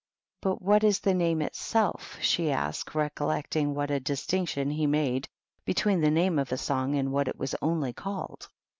"But what is the name itself?" she asked, recollecting what a distinction he made between the name of a song and what it was only called.